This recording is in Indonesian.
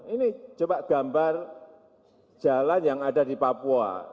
ini coba gambar jalan yang ada di papua